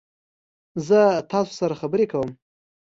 زه تاسو سره خبرې کوم.